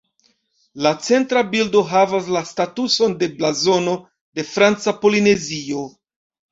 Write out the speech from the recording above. La centra bildo havas la statuson de blazono de Franca Polinezio.